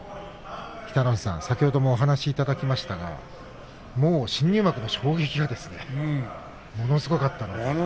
北の富士さん、先ほどもお話いただきましたがもう新入幕の衝撃がものすごかったですよね。